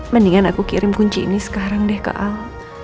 mendingan aku kirim kunci ini sekarang deh ke al